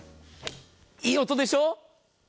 いい音でしょう？